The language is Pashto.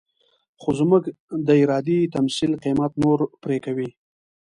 خو زموږ د ارادې تمثيل قيمت نور پرې کوي.